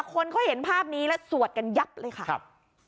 คนเขาเห็นภาพนี้แล้วสวดกันยับเลยค่ะครับ